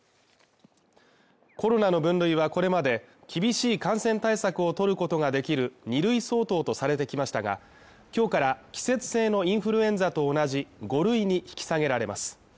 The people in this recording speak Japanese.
コロナの分類はこれまで厳しい感染対策をとることができる２類相当とされてきましたが、今日から季節性のインフルエンザと同じ５類に引き下げられます